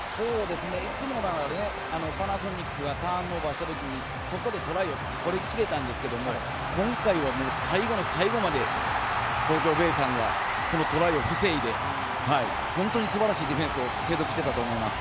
いつもならパナソニックがターンオーバーしたときに、そこでトライを取り切れたんですけれども、今回は最後の最後まで東京ベイさんがそのトライを防いで、本当に素晴らしいディフェンスを継続していたと思います。